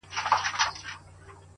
• له خولې ووتله زرکه ناببره -